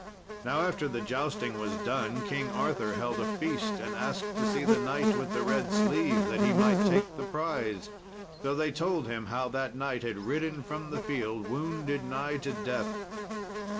Now after the jousting was done King Arthur held a feast, and asked to see the knight with the red sleeve that he might take the prize. So they told him how that knight had ridden from the field wounded nigh to death.